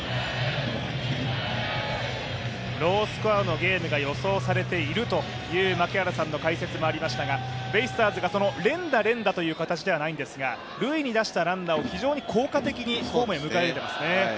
ロースコアのゲームが予想されているという槙原さんの解説もありましたが、ベイスターズが連打、連打という形ではないんですが、塁に出したランナーを非常に効果的にホームに迎え入れてますね。